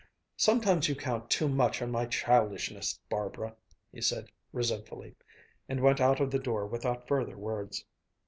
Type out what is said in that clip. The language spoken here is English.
"Sometimes you count too much on my childishness, Barbara," he said resentfully, and went out of the door without further words.